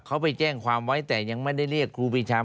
เขาไปแจ้งความไว้แต่ยังไม่ได้เรียกครูปีชา